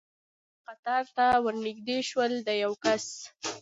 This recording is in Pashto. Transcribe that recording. بیا به قطار ته ښه ور نږدې شول، د یو کس.